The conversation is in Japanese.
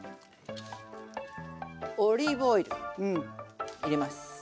オリーブオイル入れます。